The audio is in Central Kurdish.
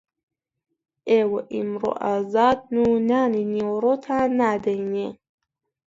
ئێوە ئەمڕۆ ئازادن و نانی نیوەڕۆتان نادەینێ